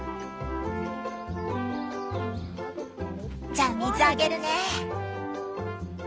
じゃあ水あげるね！